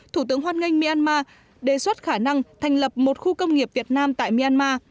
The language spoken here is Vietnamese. thủ tướng hoan nghênh myanmar đề xuất khả năng thành lập một khu công nghiệp việt nam tại myanmar